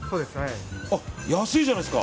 あ、安いじゃないですか。